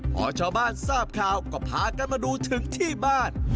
พอชาวบ้านทราบข่าวก็พากันมาดูถึงที่บ้าน